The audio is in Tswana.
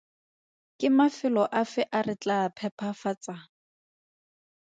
Ke mafelo afe a re tlaa a phepafatsang?